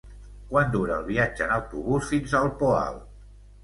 Quant dura el viatge en autobús fins al Poal?